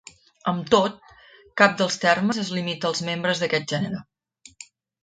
Amb tot, cap dels termes es limita als membres d'aquest gènere.